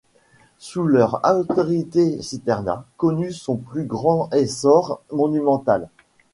Sous leur autorité Citerna connut son plus grand essor monumental.